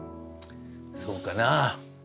そうかな？